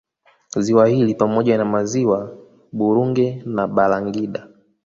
Ziwa hili pamoja na Maziwa Burunge na Balangida